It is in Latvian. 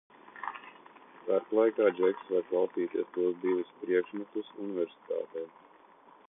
Starplaikā Džeks varot klausīties tos divus priekšmetus Universitātē.